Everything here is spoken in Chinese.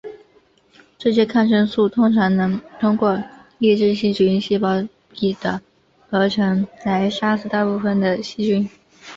这些抗生素通常能通过抑制细菌细胞壁的合成来杀死大部分的细菌。